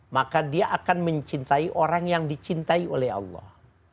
maka dia akan mencintai orang yang dicintai oleh allah